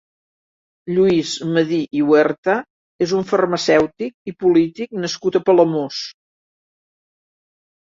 Lluís Medir i Huerta és un farmacèutic i polític nascut a Palamós.